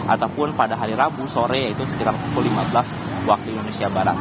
ataupun pada hari rabu sore yaitu sekitar pukul lima belas waktu indonesia barat